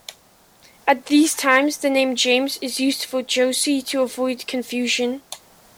At these times, the name "James" is used for Josie to avoid confusion.